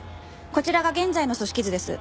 こちらが現在の組織図です。